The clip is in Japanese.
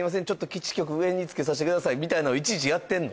基地局上につけさせてくださいみたいなのいちいちやってんの？